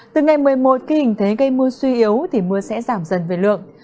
từ ngày một mươi một khi hình thế gây mưa suy yếu thì mưa sẽ giảm dần về lượng